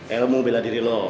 ilmu bela diri lo